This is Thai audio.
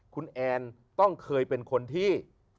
คุณแอนต้องเคยเป็นคนที่